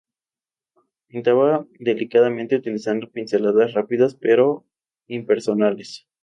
Pintaba delicadamente, utilizando pinceladas rápidas pero impersonales.